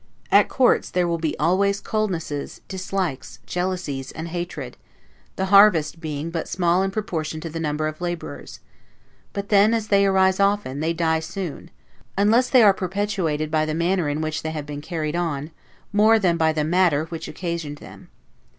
At courts there will be always coldnesses, dislikes, jealousies, and hatred, the harvest being but small in proportion to the number of laborers; but then, as they arise often, they die soon, unless they are perpetuated by the manner in which they have been carried on, more than by the matter which occasioned them.